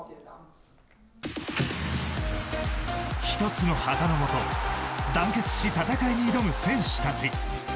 １つの旗のもと団結し、戦いに挑む選手たち。